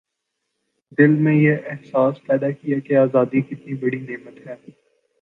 دل میں یہ احساس پیدا کیا کہ آزادی کتنی بڑی نعمت ہے